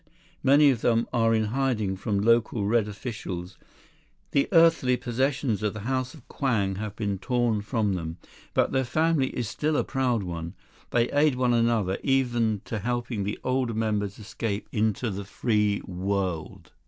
Many of them are in hiding from local Red officials. The earthly possessions of the House of Kwang have been torn from them. But the family is still a proud one. They aid one another, even to helping the older members escape into the free world."